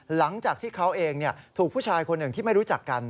หลังจากที่เขาเองถูกผู้ชายคนหนึ่งที่ไม่รู้จักกัน